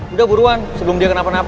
udah buruan sebelum dia kenapa napa